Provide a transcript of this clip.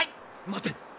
待て。